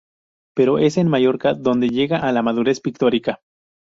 Pero es en Mallorca donde llega a la madurez pictórica.